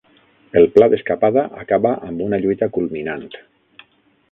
El pla d'escapada acaba amb una lluita culminant.